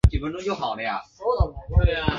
长春西新经济技术开发区的土地属于绿园区。